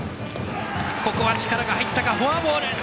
力が入ったかフォアボール。